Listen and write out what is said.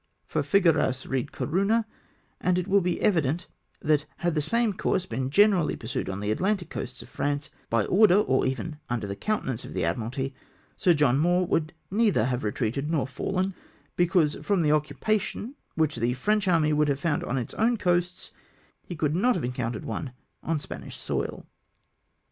For "Figueras" read "Corunna," and it will be evident, that had the same course been generally piu* sued on the Atlantic coasts of France, by order, or even under the countenance of the Admiralty, Sk John Moore would neither have retreated nor fallen ; be cause, from the occupation wliich the French army would have found on its own coasts, he could not have encountered one on the Spanish soil.